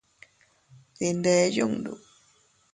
Dinde yundu.